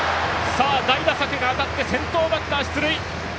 代打策が当たって先頭バッター出塁！